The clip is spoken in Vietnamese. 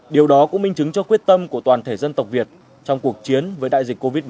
điều đó cũng minh chứng cho quyết tâm của toàn thể dân tộc việt trong cuộc chiến với đại dịch covid một mươi chín